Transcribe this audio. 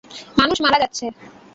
মানুষ মারা যাচ্ছে।